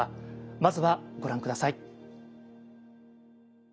まずはご覧下さい。